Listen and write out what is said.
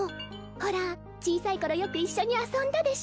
ほら小さいころよく一緒に遊んだでしょ？